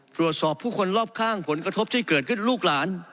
ตรวจสอบผู้คนรอบข้างผลกระทบที่เกิดขึ้นลูกหลาน